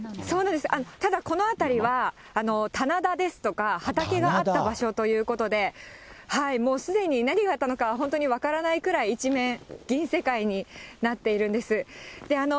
そうなんです、ただこの辺りは棚田ですとか、畑があった場所ということで、もうすでに何があったのか、本当に分からないくらい、一面、銀世界になっているんです。